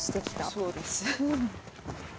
そうです。